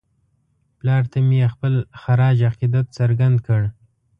پلار ته مې یې خپل خراج عقیدت څرګند کړ.